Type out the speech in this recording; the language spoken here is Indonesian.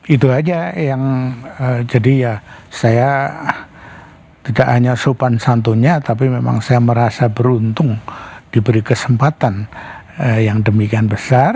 itu aja yang jadi ya saya tidak hanya sopan santunnya tapi memang saya merasa beruntung diberi kesempatan yang demikian besar